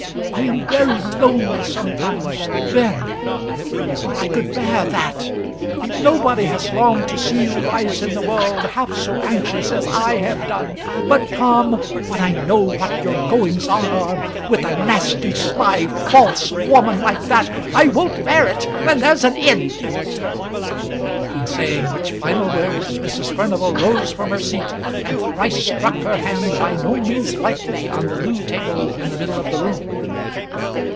I am very lonely sometimes, very; but I could bear that. Nobody has longed to see you rise in the world half so anxious as I have done. But, Tom, when I know what your goings on are with a nasty, sly, false woman like that, I won't bear it; and there's an end." In saying which final words Mrs. Furnival rose from her seat, and thrice struck her hand by no means lightly on the loo table in the middle of the room.